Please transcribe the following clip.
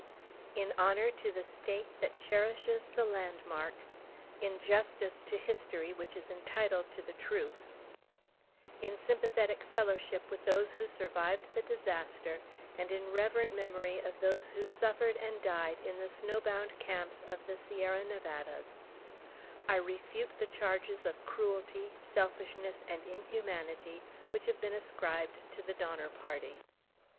In honor to the State that cherishes the landmark; in justice to history which is entitled to the truth; in sympathetic fellowship with those who survived the disaster; and in reverent memory of those who suffered and died in the snow bound camps of the Sierra Nevadas, I refute the charges of cruelty, selfishness, and inhumanity which have been ascribed to the Donner Party.